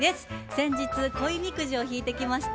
先日恋みくじを引いてきました。